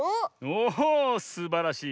おすばらしい。